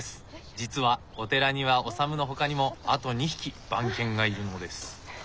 実はお寺にはオサムのほかにもあと２匹番犬がいるのです。